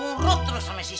nurut terus sama si sulap